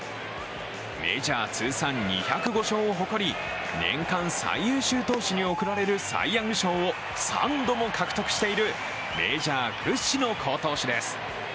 メジャー通算２０５勝を誇り、年間最優秀投手に贈られるサイ・ヤング賞を３度も獲得しているメジャー屈指の好投手です。